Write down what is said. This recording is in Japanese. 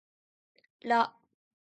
ら